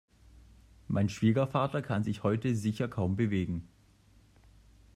Mein Schwiegervater kann sich heute sicher kaum bewegen.